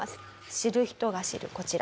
知る人が知るこちら。